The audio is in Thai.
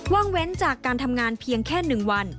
งเว้นจากการทำงานเพียงแค่๑วัน